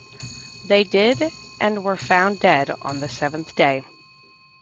They did and were found dead on the seventh day.